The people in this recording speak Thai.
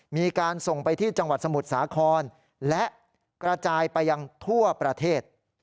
มีการส่งไปที่จังหวัดสมุทรสาครและกระจายไปยังทั่วประเทศ